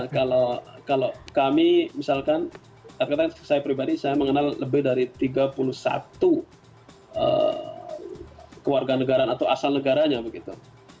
kalau kami misalkan saya pribadi saya mengenal lebih dari tiga puluh satu keluarga negara atau asal negaranya begitu